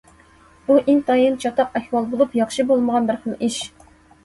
بۇ ئىنتايىن چاتاق ئەھۋال بولۇپ، ياخشى بولمىغان بىر خىل ئىش.